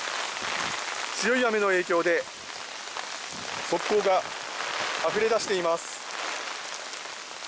強い雨の影響で側溝があふれ出しています。